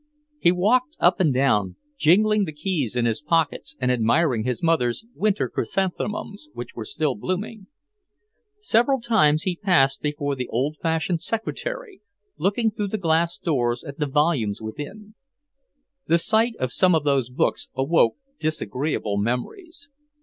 He walked up and down, jingling the keys in his pockets and admiring his mother's winter chrysanthemums, which were still blooming. Several times he paused before the old fashioned secretary, looking through the glass doors at the volumes within. The sight of some of those books awoke disagreeable memories.